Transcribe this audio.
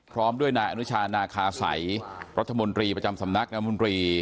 พร้อมด้วยนายอนุชานาคาสัยรัฐมนตรีประจำสำนักนามนตรี